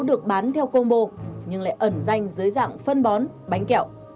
được bán theo combo nhưng lại ẩn danh dưới dạng phân bón bánh kẹo